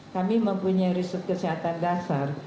kami mempunyai riset kesehatan dasar